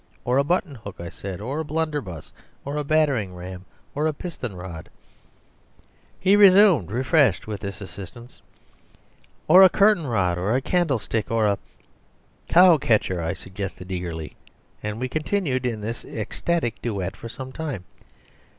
"Or a button hook," I said, "or a blunderbuss or a battering ram or a piston rod " He resumed, refreshed with this assistance, "Or a curtain rod or a candle stick, or a " "Cow catcher," I suggested eagerly, and we continued in this ecstatic duet for some time.